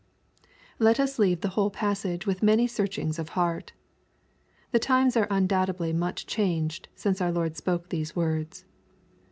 Let us leave the whole passage with many searchings of heart. The times are undoubtedly much changed since our Lord spoke these words.